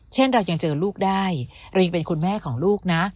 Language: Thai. เช่นเรายังเจอลูกได้เรายังเป็นคุณแม่ของลูกนะ